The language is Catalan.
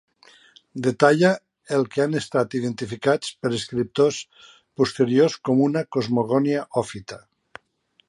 Detalla el que han estat identificats per escriptors posteriors com una cosmogonia ofita.